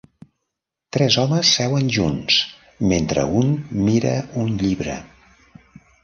Tres homes seuen junts mentre un mira un llibre.